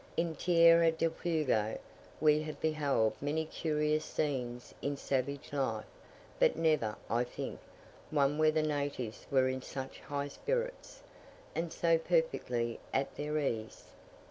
In Tierra del Fuego, we have beheld many curious scenes in savage life, but never, I think, one where the natives were in such high spirits, and so perfectly at their ease.